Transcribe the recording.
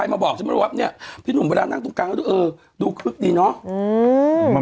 ใครมาบอกฉันไม่รู้ว่าเนี่ยพี่นุ่มเวลานั่งตรงกลางดูคลึกดีเนาะ